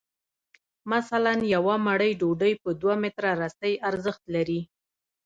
مثلاً یوه مړۍ ډوډۍ په دوه متره رسۍ ارزښت لري